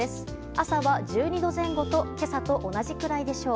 朝は１２度前後と今朝と同じくらいでしょう。